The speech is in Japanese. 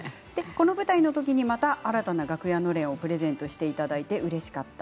この舞台の時にまた新たな楽屋のれんをプレゼントしていただいてうれしかった。